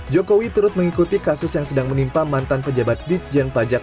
jokowi turut mengikuti kasus yang sedang menimpa mantan pejabat ditjen pajak